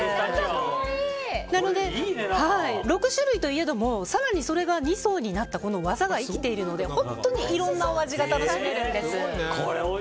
６種類といえども更にそれが２層になった技が生きているので、本当にいろんなお味が楽しめるんです。